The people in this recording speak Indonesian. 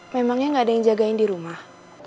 memangnya nggak ada yang jagain di rumah